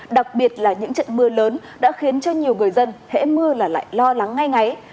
đặc biệt là những trận mưa lớn đã khiến cho nhiều người dân hễ mưa là lại lo lắng ngay ngáy